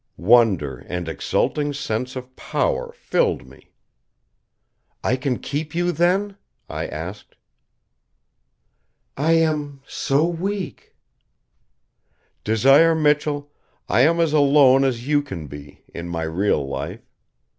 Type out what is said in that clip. Wonder and exulting sense of power filled me. "I can keep you, then?" I asked. "I am so weak." "Desire Michell, I am as alone as you can be, in my real life.